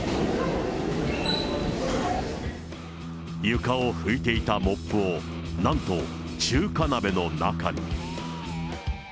床を拭いていたモップを、なんと中華鍋の中に。